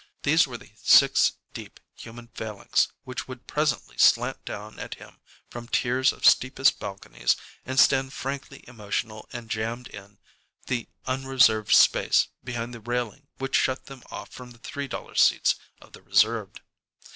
These were the six deep human phalanx which would presently slant down at him from tiers of steepest balconies and stand frankly emotional and jammed in the unreserved space behind the railing which shut them off from the three dollar seats of the reserved.